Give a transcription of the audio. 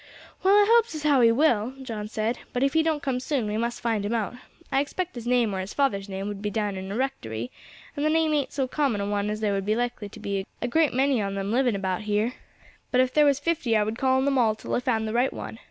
"Well, I hopes as how he will," John said, "but if he don't come soon, we must find him out. I expect his name or his father's name would be down in a 'Rectory, and the name ain't so common a one as there would be likely to be a great many on them living about here; but if there was fifty I would call on them all till I found the right one.